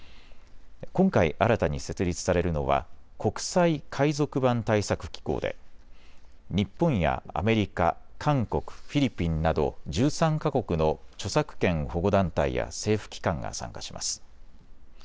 今回、新たに設立されるのは国際海賊版対策機構で日本やアメリカ、韓国、フィリピンなど１３か国の著作権保護団体や政府機関が参加します。